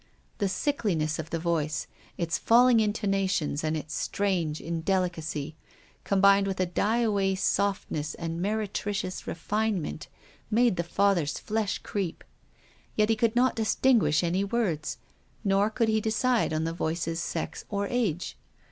The sickliness of the voice, its fall ing intonations and its strange indelicacy, com bined with a die away softness and meretricious refinement, made the Father's flesh creep. Yet he could not distinguish any words, nor could he decide on the voice's sex or age.